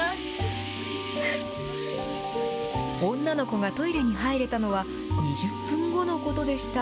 女の子がトイレに入れたのは、２０分後のことでした。